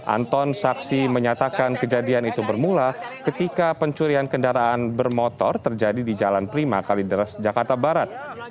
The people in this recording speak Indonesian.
anton saksi menyatakan kejadian itu bermula ketika pencurian kendaraan bermotor terjadi di jalan prima kalideres jakarta barat